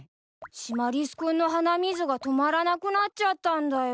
シマリス君の鼻水が止まらなくなっちゃったんだよ。